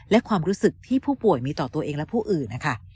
และความรู้สึกที่ผู้ป่วยมีต่อตัวเองและผู้อื่นนะคะ